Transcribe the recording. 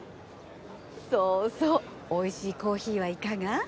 そうそうおいしいコーヒーはいかが？